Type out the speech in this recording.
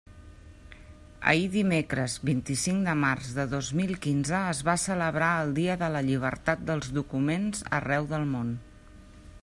Ahir dimecres vint-i-cinc de març de dos mil quinze es va celebrar el Dia de la Llibertat dels Documents arreu del món.